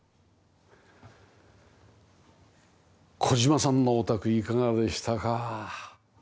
小島さんのお宅いかがでしたか？